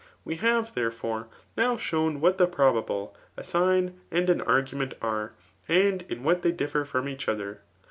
We have, therefore^ now shown what the probable, a sign, and an argument, are, and in what they differ from each other.